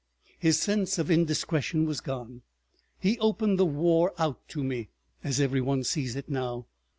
His sense of indiscretion was gone. He opened the war out to me—as every one sees it now.